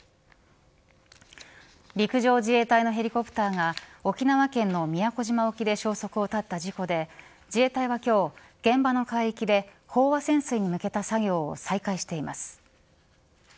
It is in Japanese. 陸上自衛隊のヘリコプターが沖縄県の宮古島沖で消息を絶った事故で自衛隊は今日、現場の海域で飽和潜水に向けた作業を再開しています。